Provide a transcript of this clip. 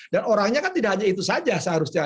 dan orangnya kan tidak hanya itu saja seharusnya